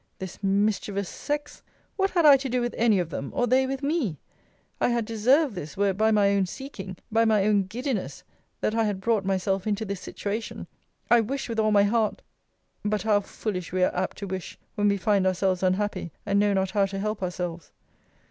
This mischievous sex! What had I to do with any of them; or they with me? I had deserved this, were it by my own seeking, by my own giddiness, that I had brought myself into this situation I wish with all my heart but how foolish we are apt to wish when we find ourselves unhappy, and know not how to help ourselves!